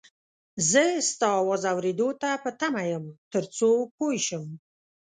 زه ستا اواز اورېدو ته په تمه یم تر څو پوی شم